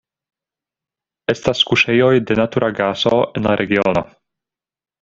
Estas kuŝejoj de natura gaso en la regiono.